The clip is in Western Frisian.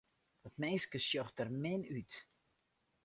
Dat minske sjocht der min út.